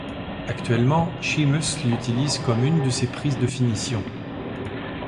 Actuellement Sheamus l'utilise comme une de ses prises de finition.